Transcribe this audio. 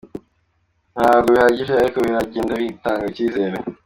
Ntabwo bihagije ariko biragenda bitanga icyizere.